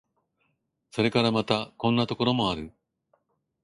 それからまた、こんなところもある。